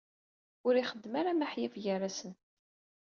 Ur ixeddem ara maḥyaf gar-asen